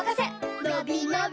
のびのび